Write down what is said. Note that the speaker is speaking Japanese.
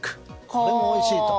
これもおいしいと。